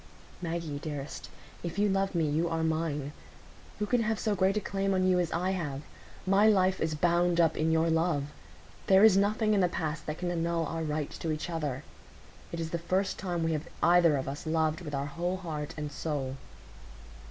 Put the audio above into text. "Maggie! Dearest! If you love me, you are mine. Who can have so great a claim on you as I have? My life is bound up in your love. There is nothing in the past that can annul our right to each other; it is the first time we have either of us loved with our whole heart and soul."